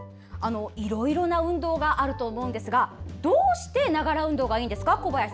いろいろな運動があると思うんですがどうして、ながら運動がいいんでしょうか。